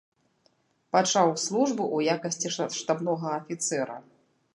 Пачаў службу ў якасці штабнога афіцэра.